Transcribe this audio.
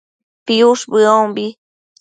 piush bëombi